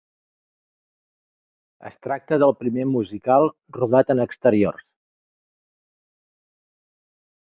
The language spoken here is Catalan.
Es tracta del primer musical rodat en exteriors.